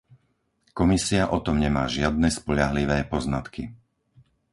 Komisia o tom nemá žiadne spoľahlivé poznatky.